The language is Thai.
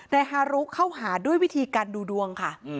ฮารุเข้าหาด้วยวิธีการดูดวงค่ะ